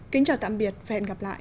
kính chào tạm biệt và hẹn gặp lại